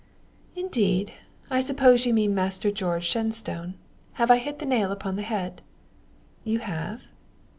"Indeed! I suppose you mean Master George Shenstone. Have I hit the nail upon the head?" "You have."